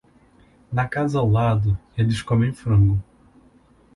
Na casa ao lado, eles comem frango.